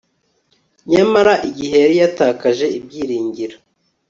Nyamara igihe yari yatakaje ibyiringiro